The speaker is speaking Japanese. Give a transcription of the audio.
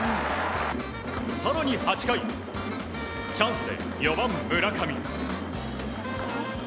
更に８回チャンスで４番、村上。